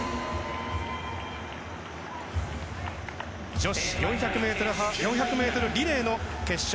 女子４００ｍリレーの決勝。